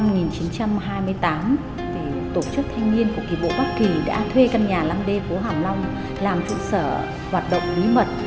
năm một nghìn chín trăm hai mươi tám tổ chức thanh niên của kỳ bộ bắc kỳ đã thuê căn nhà năm d phố hàm long làm trụ sở hoạt động bí mật